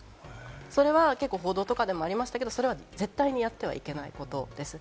それは報道とかでもありましたけれども、それは絶対にやってはいけないことです。